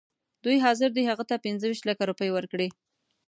دوی حاضر دي هغه ته پنځه ویشت لکه روپۍ ورکړي.